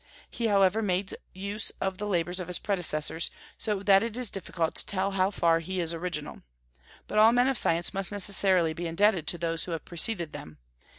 He however made use of the labors of his predecessors, so that it is difficult to tell how far he is original. But all men of science must necessarily be indebted to those who have preceded them.